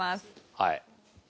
はい。